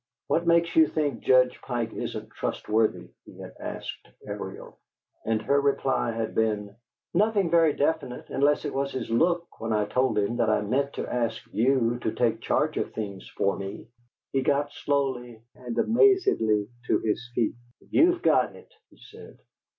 "What makes you think Judge Pike isn't trustworthy?" he had asked Ariel, and her reply had been: "Nothing very definite, unless it was his look when I told him that I meant to ask you to take charge of things for me." He got slowly and amazedly to his feet. "You've got it!" he said.